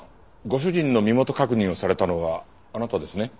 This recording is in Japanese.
ご主人の身元確認をされたのはあなたですね？